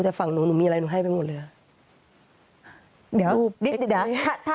แต่ฝั่งหนูมีอะไรหนูให้ไปหมดเลย